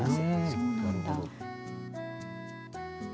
そうなんだ。